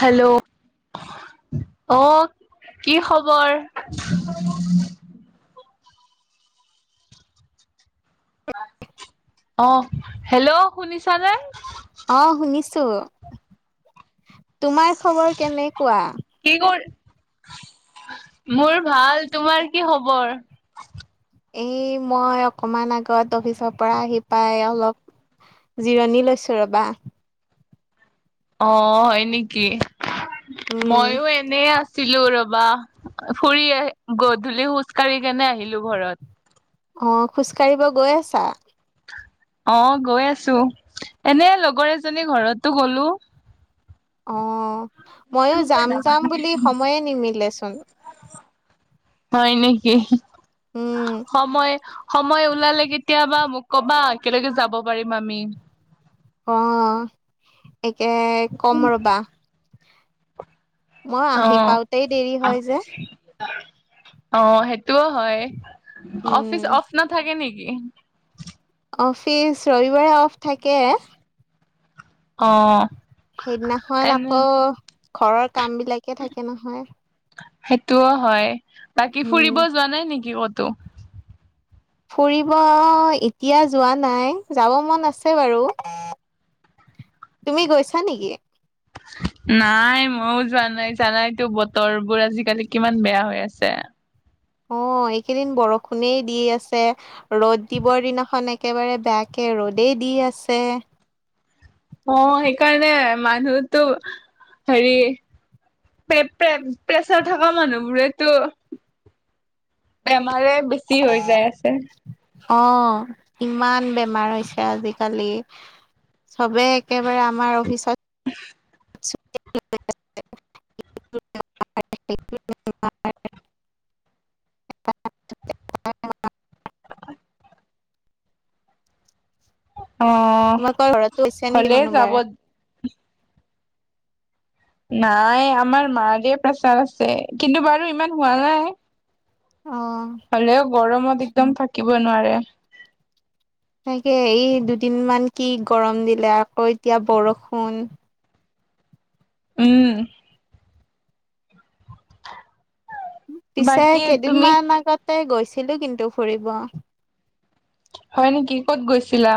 Hello অ', কি খবৰ? [unintelligible] অ', হেল্ল' শুনিছানে? অ', শুনিছো, তোমাৰ খবৰ কেনেকোৱা? কি [unintelligible] মোৰ ভাল, তোমাৰ কি খবৰ? এই মই অকমান আগত অফিচৰ পৰা আহি পাই অলপ জিৰণি লৈছো ৰবা। অ', হয় নেকি, মইও উম এনেই আছো ছিলো ৰবা, ফুৰি আহ গধূলি খোজ কাঢ়ি কেনে আহিলো ঘৰত। অ', খোজকাঢ়িব গৈ আছা? অ', গৈ আছো, এনেই লগৰ এজনী ঘৰতো গলো। অ', ময়ো যাম যাম বুলি সময়ে নিমিলেচোন। হয় নেকি? উম সময় সময় ওলালে কেতিয়াবা মোক কবা একেলগে যাব পাৰিম আমি। অ', একে কম ৰবা। মই অ আহি পাওঁতেই দেৰি হয় যে। অ', সেইটোও হয়, উম অফিচ অফ নাথাকে নেকি? অফিচ ৰবিবাৰে অফ থাকে। অ'। সেইদিনাখন এনে আকৌ ঘৰৰ কাম বিলাকে থাকে নহয়। সেইটোও হয়, বাকী উম ফুৰিব যোৱা নাই নেকি ক'তো? ফুৰিব এতিয়া যোৱা নাই, যাব মন আছে বাৰু। তুমি গৈছা নেকি? নাই ময়ও যোৱা নাই, জানাইতো বতৰবোৰ আজিকালি কিমান বেয়া হৈ আছে। অ', এইকেইদিন বৰষুণেই দি আছে ৰ'দ দিবৰ দিনাখন একেবাৰে বেয়াকে ৰ'দেই দি আছে। অ', সেইকাৰণে মানুহতো হেৰি প্ৰে প্ৰে প্ৰেছাৰ থকা মানুহবোৰেতো বেমাৰে বেছি হৈ যায় আছে। অঁ ইমান বেমাৰ হৈছে আজিকালি। সবেই একেবাৰে আমাৰ অফিচত উ [inaudible] [unintelligible] [unintelligible] [inaudible] অ তোমালোকৰ ঘৰতো হৈছে নেকি হলে যাব কোনোবাৰ নাই আমাৰ মাৰে প্ৰেচাৰ আছে, কিন্তু বাৰু ইমান হোৱা নাই। অঁ। হলেও গৰমত একদম থাকিব নোৱাৰে। তনেকে এই দুদিন মান কি গৰম দিলে আকৌ এতিয়া বৰষুণ। উওম। পিছে বাকী তুমি কেইদিনমান আগতে গৈছিলো কিন্তু ফুৰিব। হয় নেকি ক'ত গৈছিলা?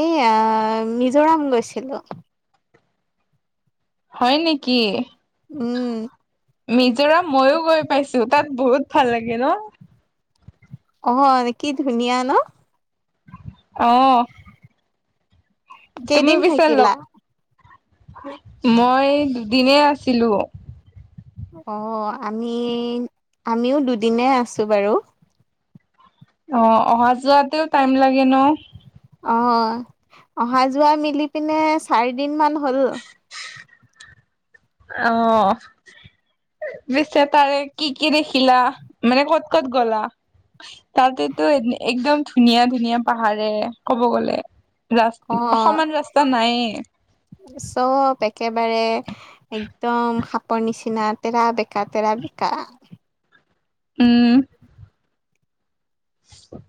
এইয়া মিজোৰাম গৈছিলো। হয় নেকি। উম মিজোৰাম মইয়ো গৈ পাইছো তাত বহুত ভাল লাগে ন। অঁ কি ধুনীয়া ন। অঁহ। তুমি কেইদিন বিচালগ থাকিলা মই দুদিনে আছিলো। অঁ আমি আমিও দুদিনে আছো বাৰু। অঁ অহা যোৱাতেও টাইম লাগে ন। অঁ অহা যোৱা মিলি পিনে চাৰিদিন মান হ'ল। অঁহ। পিছে তাৰে কি কি দেখিলা মানে ক'ত ক'ত গ'লা? তাতেতো একদম ধুনীয়া ধুনীয়া পাহাৰে ক'ব গ'লে। ৰাচ অ সমান ৰাস্তা নায়ে। চব একেবাৰে- একদম সাপৰ নিচিনা তেৰা বেকা তেৰা বেকা। উম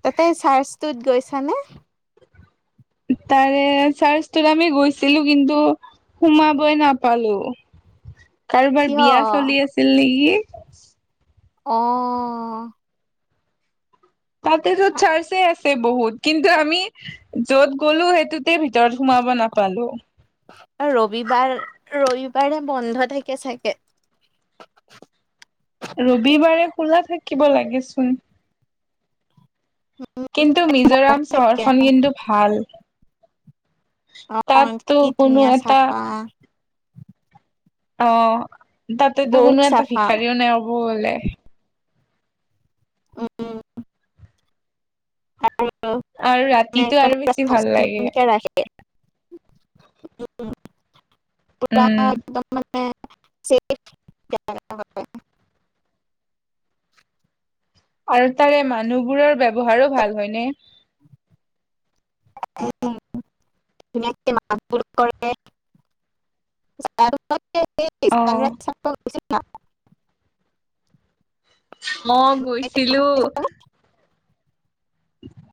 তাতে চাৰ্চটোত গৈছানে। তাৰে চাৰ্চটোত আমি গৈছিলো কিন্তু, সোমাবই নাপালো কাৰোবাৰ কিয় বিয়া চলি আছিল নেকি। অঁ, তাতেতো চাৰ্চে আছে বহুত কিন্তু আমি- য'ত গ'লো সেইটোতে ভিতৰত সোমাব নাপালো। এ ৰবিবাৰ ৰবিবাৰে বন্ধ থাকে চাগে। ৰবিবাৰে খোলা থাকিব লাগেচোন। কিন্তু মিজোৰাম চহৰখন কিন্তু ভাল। অ তাততো কি কোনো ধুনীয়া এটা- চাফা অঁ তাতেতো বহুত কোনো এটা চাফা ভিখাৰীও নাই হ'ব হলে। উম উম উম, [unintelligible] আৰু ৰাতিটো আৰু বেছি ভাল লাগে পুৰা উম একদম মানে- [unintelligible] আৰু তাৰে মানুহবোৰৰ ব্যৱহাৰো ভাল হয়নে। উম ধুনীয়াকে মাত বোল কৰে। অ [unintelligible] ম গৈছিলো। সানৰাইজ [inaudible]